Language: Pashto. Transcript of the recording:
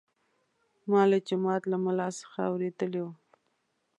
ما له جومات له ملا څخه اورېدلي وو.